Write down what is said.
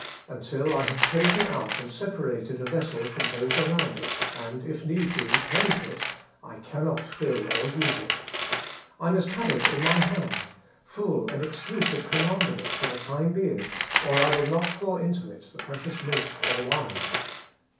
Until I have chosen out and separated a vessel from those around it, and, if need be, cleansed it, I cannot fill or use it. I must have it in my hand, full and exclusive command of it for the time being, or I will not pour into it the precious milk or wine.